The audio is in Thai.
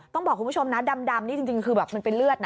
ต้องบอกคุณผู้ชมนะดำนี่จริงคือแบบมันเป็นเลือดนะ